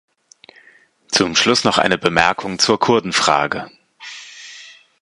Zum Schluss noch eine Bemerkung zur Kurdenfrage.